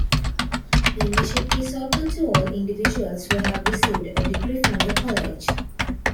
Membership is open to all individuals who have received a degree from the College.